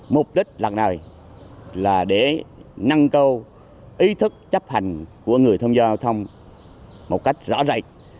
mục đích lặng nời là để năng cầu ý thức chấp hành của người thông giao thông một cách rõ rạch